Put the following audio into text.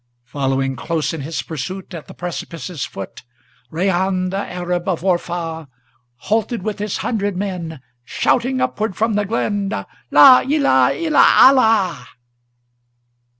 Following close in his pursuit, At the precipice's foot, Reyhan the Arab of Orfah Halted with his hundred men, Shouting upward from the glen, "La Illah illa Allah!"